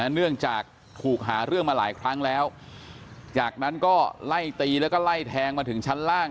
เนื่องจากถูกหาเรื่องมาหลายครั้งแล้วจากนั้นก็ไล่ตีแล้วก็ไล่แทงมาถึงชั้นล่าง